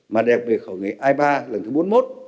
mà đặc biệt hội nghị ipa lần thứ bốn mươi một